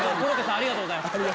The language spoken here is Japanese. ありがとうございます。